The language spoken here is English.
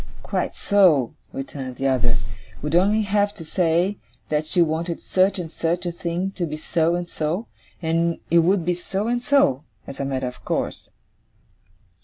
'Quite so,' returned the other, ' would only have to say, that she wanted such and such a thing to be so and so; and it would be so and so, as a matter of course.